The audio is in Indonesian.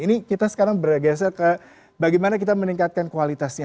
ini kita sekarang bergeser ke bagaimana kita meningkatkan kualitasnya